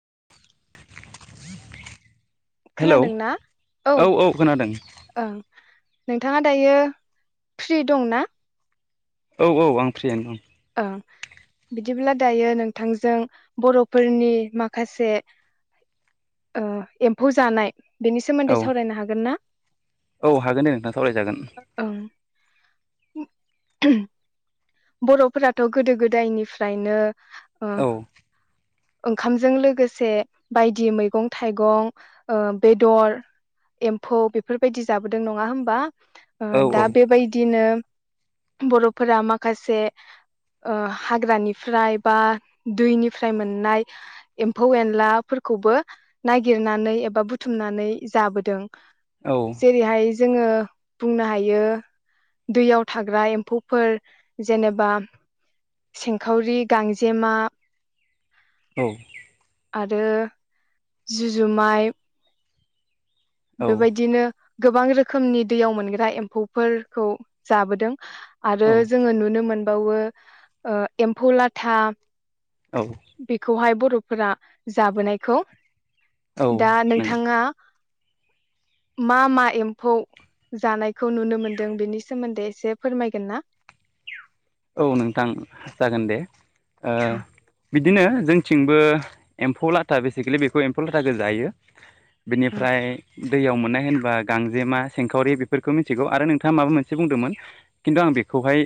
न [unintelligible] खोनादोंना औ खोनादों ओं नोंथाङा दायो फ्रि दंना औ औ आं फ्रियानो दं बिदिब्ला दायो नोंथांजों बर'फोरनि माखासे ओ एम्फौ जानाय बेनि औ सोमोन्दै सावरायनो हागोन ना औ हागोन दे नोंथां सावरायजागोन [inaudible] बर'फोराथ' गोदो गोदायनिफ्रायनो ओ औ ओंखामजों लोगोसे बायदि मैगं थाइगं ओ बेदर एम्फौ बेफोरबायदि जाबोदों नङा होमबा ओ औ औ दा बेबायदिनो बर'फोरा मा माखासे हाग्रानिफ्राय बा दैनिफ्राय मोननाय एम्फौ एनलाफोरखौबो नागिरनानै एबा बुथुमनानै जाबोदों औ जेरै हाय जोङो बुंनो हायो दैयाव थाग्रा एम्फौफोर जेनेबा सेंखावरि गांजेमा औ आरो जुजुमाय औ बेबायदिनो गोबां रोखोमनि दैयाव मोनग्रा एम्फौफोरखौ जाबोदों आरो औ जोङो नुनो मोन बावो ओ एम्फौ लाथा औ बेखौहाय बर'फोरा जाबोनायखौ औ दा नंगौ नोंथाङा मा मा एम्फौ जानायखौ नुनो मोनदों बेनि सोमोन्दै एसे फोरमायगोन ना औ नोंथां जागोन दे ओ बिद बिदिनो जोंथिंबो एम्फौ लाथा बेसिकेलि बेखौ एम्फौ लाथाखौ जायो बेनिफ्राय दैयाव मोननाय होनबा गांजेमा सेंखावरि बेफोरखौ मिथिगौ आरो नोंथाङा माबा मोनसे बुंदोंमोन खिन्थु आं बेखौहाय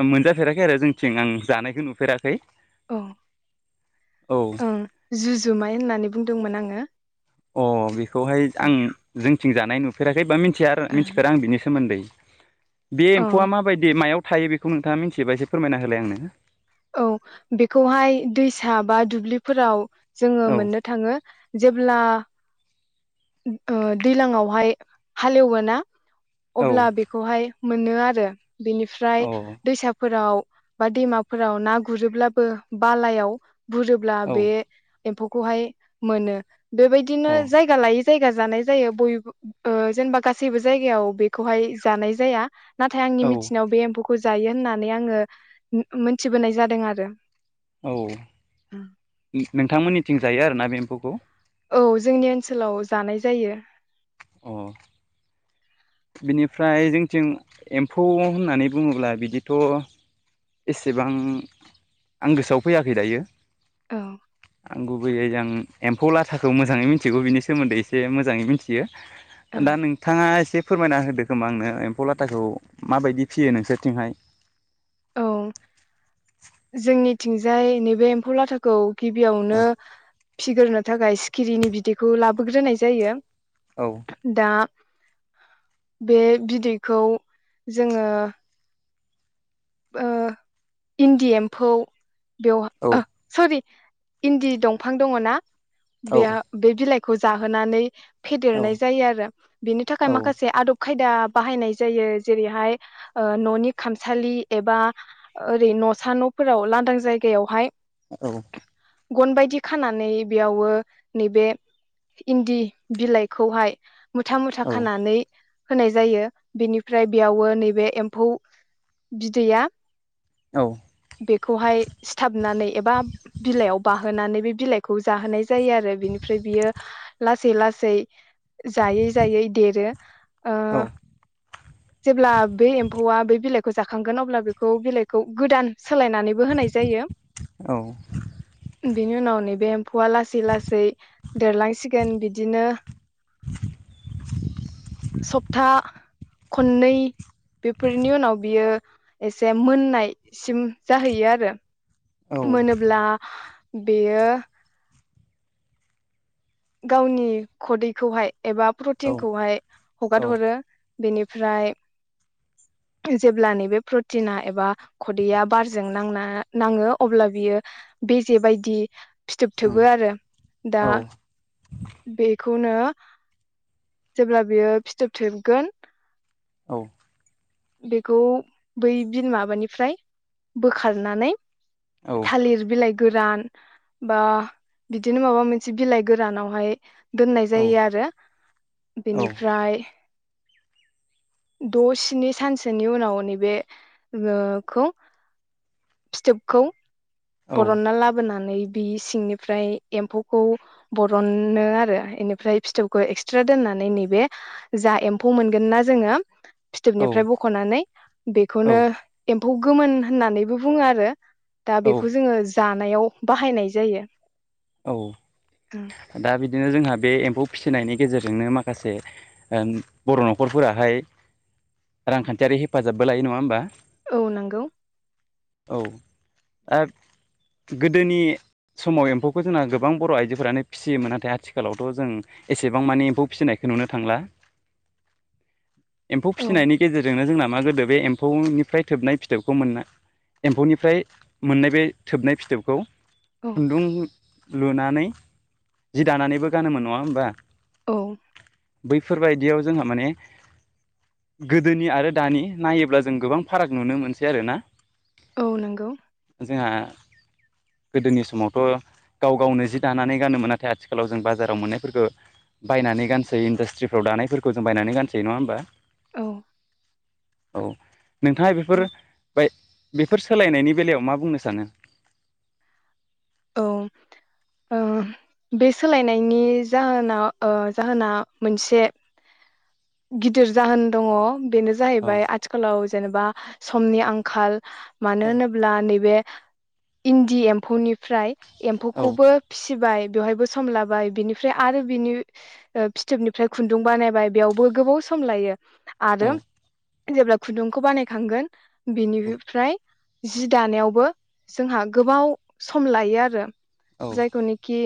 ओ मोनजाफेराखै आरो जोंथिं आं जानायखौ नुफेराखै औ औ ओ जुजुमाय होननानै बु बुंदोंमोन आङो अ बि बेखौहाय आं जोंथिं जा नाय नुफेराखै बा मिथि मिथिया आरो मिथिफेरा आं बिनि सोमोन्दै बे औ एम्फौआ माबायदि मायाव थायो बेखौ नोंथाङा मिथिबा एसे फोरमायना होलाय आंनो औ बेखौहाय दैसा बा दुब्लिफोराव जोङो औ मोननो थाङो जेब्ला दैज्लांआवहाय हालेवोना औ अब्ला बेखौहाय मोनो आरो बेनिफ्राय औ दैसाफोराव बा दैमाफोराव ना गुरोब्लाबो बालायाव बुलोब्ला औ बे एम्फौखौहाय मोनो बेबायदिनो अ जायगा लायै जायगा जानाय जायो बयबो ओ जेनेबा गासैबो जायगायाव बेखौहाय जानाय जाया। नाथाय आंनि औ मिथिनायाव बे एम्फौखौ जायो होननानै आङो उम मोथिबोनाय जादों आरो। औ नोंथांमोननिथिं जायो आरोना बे एम्फौखौ? खौ औ जोंनि ओनसोलाव जानाय जायो। अ बिनिफ्राय जोंथिं एम्फौ होननानै बुङोब्ला बिदिथ' एसेबां आं गोसोआव फैयाखै दायो । औ आंगौ गुबैयैहाय जां एम्फौ लाथाखौ मोजाङै मिनथिगौ बिनि सोमोन्दै एसे मोजाङै मिनथियो औ । दा नोंथाङा एसे फोरमायना होदो खोमा आंनो एम्फौ लाथाखौ माबायदि फियो नोंसोरथिंहाय? औ जोंनि थिंजाय नैबे एम्फौ लाथाखौ औ गिबियावनो फिगोरनो थाखाय सिखिरिनि बिदैखौ लाबोग्रोनाय जायो। औ दा बे बिदैखौ जोङो ओ इन्दि एम्फौ औ बेवहा सरि इन्दि दंफां दङ ना? बेया औ बे बिलाय खौ जाहोनानै औ फेदेरनाय जायो आरो बिनि थाखाय औ माखासे आदब खा खायदा बाहायनाय जायो जेरैहाय ओ न'नि खामसालि एबा ओरै न'सा न'फोराव लांदां जायगायावहाय औ गन बायदि खानानै बेयावो नैबे इन्दि बिलाइखौहाय मुथा मुथा औ खानानै होनाय जायो बिनिफ्राय बेयावो नैबे एम्फौ बिदैया औ बेखौहाय सिथाबनानै एबा बिलाइयाव बाहो नानै बे बिलाइखौ जाहोनाय जायो आरो बिनिफ्राय बियो लासै लासै जायै- जायै देरो ओ औ जेब्ला बे एम्फौआ बे बिलाइ खौ जाखांगोन अब्ला बेखौ बिलाइखौ गोदान सोलायनानैबो होनाय जायो। बेनि उनाव नैबे फुवा लासै लासै देरलांसिग सेकेन बिदिनो [unintelligible] सप्ता खननै बेफोरनि उनाव बियो एसे मोननायसिम जाहैयो आरो। मोनोब्ला बेयो गावनि खदैखौहाय एबा प्रटिनखौहाय हगार औ हरो। बेनिफ्राय जेब्ला नैबे प्रटिना एबा खदैया बारजों नांना नाङो अब्ला बियो बेजे बायदि फिथोबथोबो आरो दा बे खौनो जेब्ला बियो फिथोबथोबगोन औ बेखौ बै बिन माबानिफ्राय बोखारनानै थालिर बिलाइ गोरान बा बिदिनो माबा मोनसे बिलाइ गोरानावहाय दोननाय जायो आरो बेनिफ्राय द स्नि सानसोनि उनाव नैबे बेखौ फिथोबखौ बरनना लाबोनानै बि सिंनिफ्राय एम्फौखौ बरननो आरो इनिफ्राय फिथोबखौ एक्सट्रा दोननानै नैबे जा एम्फौ मोनगोन ना जोङो फिथोबनिफ्राय बख नानै औ बेखौनो एम फौखो गौमोन होननानैबो बुङो आरो। दा बेखौ औ जोङो जि जानायाव बाहायनाय जायो। औ औ दा बिदिनो जोंहा बे एम्फौ फिसिनायनि गेजेरजोंनो माखासे ओ बर' न'खरफोराहाय रांखान्थियारि हेफाजाबबो लायो नङा होमबा। औ नंगौ। औ आ गोदोनि समाव एम्फौ बो जोंना गोबां बर' आइजोफोरानो फिसियोमोन नाथाय आथिखालावथ' जों एसेबां माने एम्फौ फिसिनायखौ नुनो थांला, एम्फौ औ फिसिनायनि गेजेरजोंनो जोंना, मा गोदो बे एम्फौनिफ्राय थोबनाय फिथोबखौ मोन एम्फौनिफ्राय मोननाय बे थोबनाय फिथोबखौ, औ खुन्दुं लुनानै जि दानानैबो गानोमोन नङा होमबा, औ बैफोर बायदियाव जोंहा माने गोदोनि आरो दानि नायोब्ला जों गोबां फाराग नुनो मोनसै आरोना? औ नंगौ जोंहा गोदोनि समावथ' गाव गावनो जि दानानै गानोमोन नाथाय आथिखालाव जों बाजाराव मोननायफोरखो बायनानै गानसै इन्डास्ट्रिफ्राव दानायफोरखौ जों बायनानै गानसै नङा होमबा। औ औ नोंथाङा बेफोर औ बाय' बेफोर सोलायनायनि बेलायाव मा बुंनो सानो? औ औ बे सोलायनायनि जाहोनाव ओ जाहोना मोनसे गिदिर जाहोन दङ। बेनो औ जाहैबाय आथिखालाव जेनेबा समनि आंखाल, औ मानो होनोब्ला नैबे, इन्दि एम्फौनिफ्राय, औ एम्फौखौबो फिसि फिसिबाय बेवहायबो सम लाबाय बिनिफ्राय आरो बिनि ओ फिथोबनिफ्राय खुन्दुं बानायबाय बेयावबो गोबाव सम लायो। औ आरो जेब्ला खुदुंखौ बानायखांगोन, बेनिफ्राय जि दानायावबो जोंहा गोबाव सम लायो आरो औ जायखौ नोखि,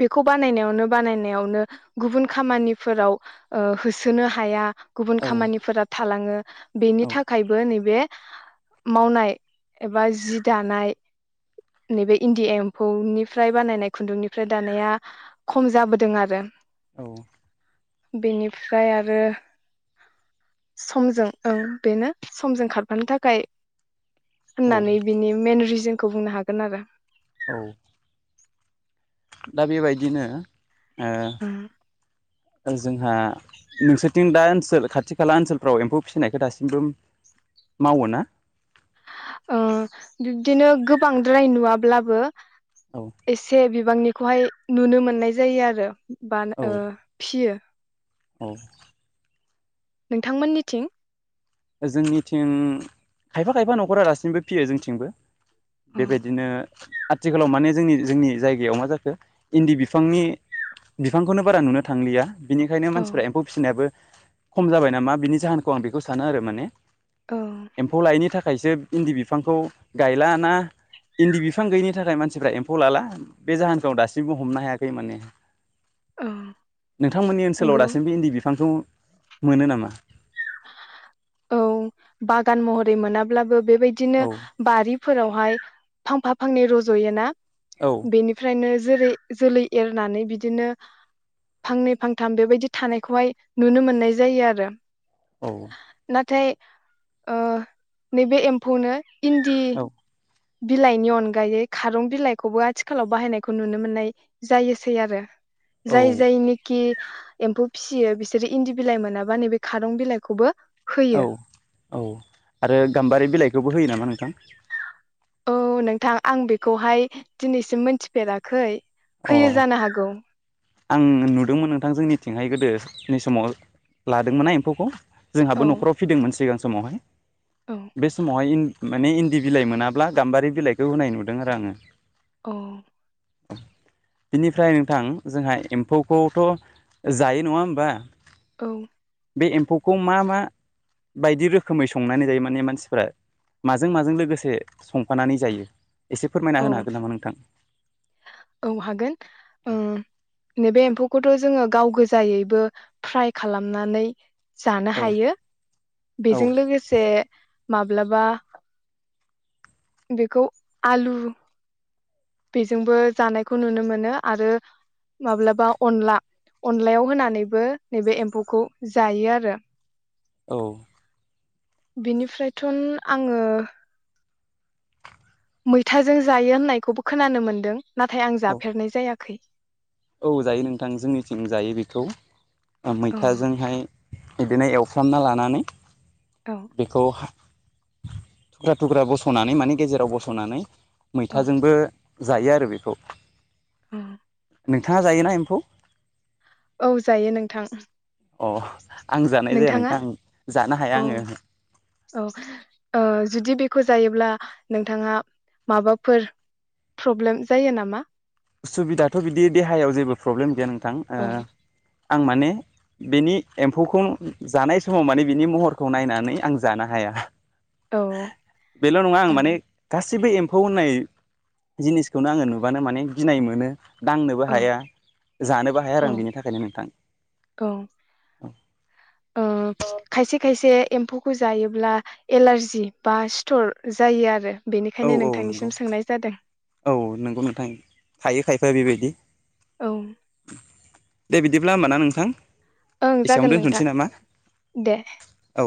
बेखौ बानायनायावनो बानायनायावनो गुबुन खामानिफोराव, ओ होसोनो हाया, गुबुन खामानिफोरा थालाङो। बेनि थाखायबो नैबे मावनाय एबा जि दानाय नैबे इन्दि एम्फौनिफ्राय बानायनाय खुन्दुंनिफ्राय दानाया खम जाबोदों आरो। औ। बेनिफ्राय आरो समजों औ बेनो समजों खारफानो थाखाय औ होननानै बिनि मेन रिजोन खौ बुंनो हागोन आरो। औ। दा बेबायदिनो ओ जोंहा नोंसोरनिथिं दा ओनसोल खाथि खाला ओनसोलफ्राव एम्फौ फिसिनायखौ दासिमबो मावो ना? ओ बिब्दिनो गोबांद्राय नुवाब्लाबो औ एसे बिबांनि खौहाय नुनो मोननाय जायो आरो बा औ ओ फियो। औ। नोंथांमोननिथिं? जोंनिथिं खायफा खायफा न'खरा दासिमबो फियो जोंथिंबो। औ बेबायदिनो आथिखालाव माने जोंनि जोंनि जायगायाव मा जाखो इन्दि बिफांनि बिफांखौनो बारा नुनो थांलिया। बिनिखायनो औ मानसिफोरा एम्फौ फिसिनायाबो खम जाबाय नामा बिनि जाहोनखौ आं बेखौ सानो आरो माने। औ एम्फौ लायैनि था खायसो इन्दि बिफांखौ गायला ना इन्दि बिफां गैयिनि थाखाय मानसिफ्रा एम्फौ लाला बे जाहोनखौ आं दासिमबो हमनो हायाखै माने। औ नोंथांमोननि ओनसोलाव नंगौ दासिमबो इन्दि बिफांखौ मोनो नामा? औ बागान महरै मोनाब्लाबो बेबायदिनो औ बारिफोरावहाय फांफा फांनै रज'यो ना औ बेनिफ्रायनो जेरै जोलै एरनानै बिदिनो फांनै फांथाम बेबायदि थानायखौहाय नुनो मोननाय जायो आरो। औ। नाथाय ओ नैबे एम्फौनो इन्दि औ बिलाइनि अनगायै खारं बिलाइखौबो आथिखालाव बाहायनायखौ नुनो मोननाय जायोसै आरो। औ जाय जाय निखि एम्फौ फिसियो बिसोरो इन्दि बिलाइ मोनाबा नैबे खारं बिलाइखौबो औ होयो औ आरो गाम्बारि बिलाइखौबो होयो नामा? नोंथां। औ नोंथां आं बेखौहाय दिनैसिम मोनथिफेराखै। अ होयो जानो हागौ। आं नुदोंमोन नोंथां जोंनिथिंहाय गोदोनि समाव लादोंमोन ना एम्फौखौ। औ जोंहाबो नख'राव फिदोंमोन सिगां। समावहाय। औ बे समावहाय । माने इन्दि बिलाइ मोनाब्ला गाम्बारि बिलाइखौ होनाय नुदों आरो आङो। औ। [inaudible] बिनिफ्राय नोंथां जोंहा एम्फौखौथ' जायो नङा होमबा। औ। बे एम्फौखौ मा मा बायदि रोखोमै संनानै जायो माने मानसिफ्रा माजों माजों लोगोसे संफानानै जायो। एसे फोरमायना होनो औ हागोन नामा नोंथां। औ हागोन नैबे एम्फौखौ। जोडो गाव गोजायैबो फ्राय खालामनानै। जानो औ हायो औ बेजों लोगोसे। माब्लाबा बेखौ आलु। लु। बेजोंबो जानायखौ नुनो मोनो आरो माब्लाबा अनला अनलायाव होनानैबो नैबे एम्फौखौ जायो आरो। औ। बिनिफ्रायथ' आङो। मैथाजों जायो होननायखौबो खोनानो मोनदों। नाथाय आं औ जाफेरनाय जायाखै। औ जायो नोंथां जोंनिथिं जायो बेखौ अ मैथाजोंहाय। बिदिनो एवफ्रामना लानानै। औ। बेखौ थुख्रा थुख्रा बस'नानै माने गेजेराव बस'नानै। औ मैथाजोंबो। जायो आरो बेखौ। औ। नोंथाङा जायोना एम्फौ। औ जायो नोंथां। अ। आं जानाय जाया नोंथाङा नोंथां जानो हाया औ आङो औ ओ जुदि बेखौ जायोब्ला। नोंथाङा माबाफोर प्रब्लेम जायो नामा। उसुबिदाथ' बिदि देहायाव जेबो प्रब्लेम गैयाान नां। थां ओ। औ आं माने बिनि एम्फौखौ जानाय समाव माने बिनि महरखौ नायनानै आं जानो हाया। औ बेल' नङा आं ओं माने गा सिबो एम्फौ होननाय जिनिसखौनो आङो नुबानो माने गिनाय मोनो। दांनोबो औ हाया जानोबो हाया आरो औ आं बिनि थाखायनो नोंथां। औ ओ खायसे खायसे एम्फौखो जायोब्ला एलारजि बा सिथ'र जायो आरो औ बेनिखायनो औ नंगौ नोंथांनिसिम सोंनाय जादों औ नोंगौ नोंथां थायो खाय [unintelligible] बेबायदि औ दे बिदिब्ला होमबा ना नोंथां ओं एसेयावनो जागोन नोंथां दोनथ'नोसै नामा दे। औ